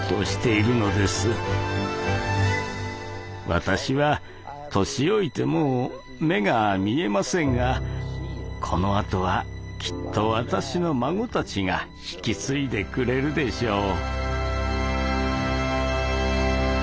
私は年老いてもう目が見えませんがこのあとはきっと私の孫たちが引き継いでくれるでしょう。